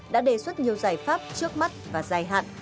đã đề xuất nhiều giải pháp trước mắt và dài hạn